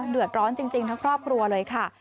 เดือดร้อนจริงทั้งครอบครัวเลยค่ะ